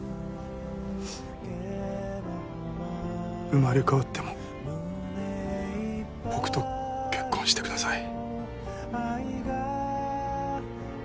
生まれ変わっても僕と結婚してください。